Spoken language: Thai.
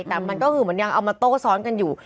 แต่มันก็คือเหมือนยังเอามาโต้ซ้อนกันอยู่